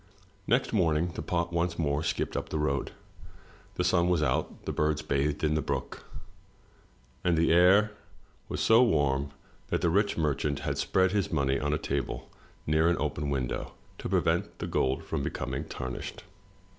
Next morning the pot once more skipped up the old road. The sun was out, the birds bathed in the brook, and the air was so warm that the rich merchant had spread his money on a table near an open window to prevent the gold from becoming tarnished.